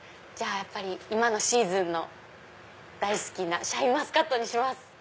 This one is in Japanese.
やっぱり今のシーズンの大好きなシャインマスカットにします。